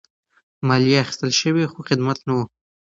مالیه اخیستل شوه خو خدمت نه وو.